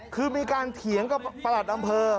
คือมีการเขียงก็ประหลัดเอาไว้